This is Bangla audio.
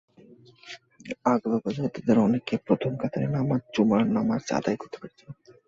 আগেভাগে যাওয়ায় তাঁদের অনেকে প্রথম কাতারে জুমার নামাজ আদায় করতে পেরেছেন।